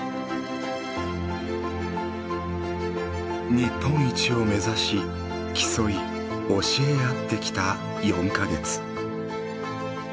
日本一を目指し競い教え合ってきた４か月。